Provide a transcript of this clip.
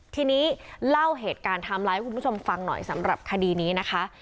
ทีนี้เล่าเหตุการณ์ไทม์ไลน์ให้คุณผู้ชมฟังหน่อยสำหรับคดีนี้นะคะ